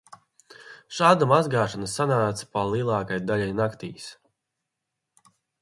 Šāda mazgāšanās sanāca pa lielākai daļai naktīs.